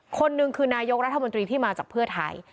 คนนึงคือนายกรัฐบาลที่มาจากเพื่อไทย